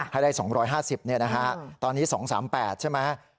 ให้ได้๒๕๐เนี่ยนะฮะตอนนี้๒๓๘ใช่ไหมฮะ